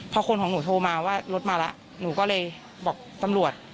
พอคนของหนูโทรมาว่ารถมาแล้วหนูก็เลยบอกตำรวจ